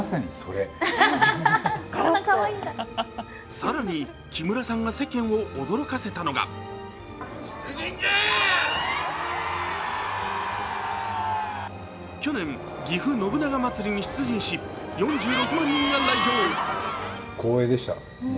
更に、木村さんが世間を驚かせたのが去年、ぎふ信長まつりに出陣し、４６万人が来場。